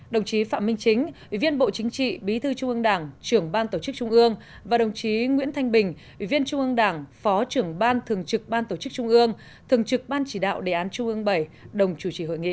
đồng chí phạm minh chính ủy viên bộ chính trị bí thư trung ương đảng trưởng ban tổ chức trung ương và đồng chí nguyễn thanh bình ủy viên trung ương đảng phó trưởng ban thường trực ban tổ chức trung ương thường trực ban chỉ đạo đề án trung ương bảy đồng chủ trì hội nghị